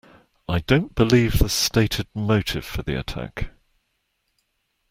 I don't believe the stated motive for the attack.